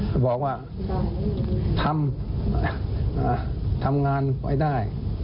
เขาบอกว่าทำงานไว้ได้